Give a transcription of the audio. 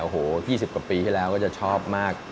โอ้โห๒๐กว่าปีที่แล้วก็จะชอบมาก